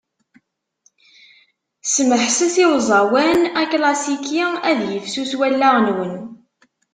Smeḥset i uẓawan aklasiki, ad yifsus wallaɣ-nwen.